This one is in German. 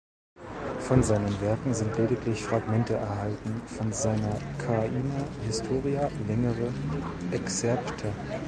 Von seinen Werken sind lediglich Fragmente erhalten, von seiner "Kaine Historia" längere Exzerpte.